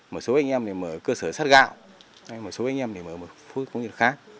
một số anh em thì mở cơ sở sát gạo một số anh em thì mở một phố công nghiệp khác